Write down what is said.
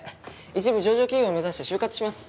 一部上場企業を目指して就活します。